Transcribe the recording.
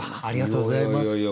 ありがとうございます。